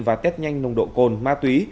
và test nhanh nồng độ cồn ma túy